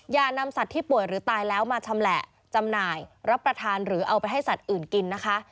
อย่านำสัตว์ที่ป่วยหรือตายแล้วมาชำแหละจำหน่ายรับประทานหรือเอาไปให้สัตว์อื่นกินนะคะ